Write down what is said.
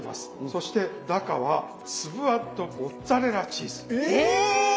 そして中はつぶあんとモッツァレラチーズ。え！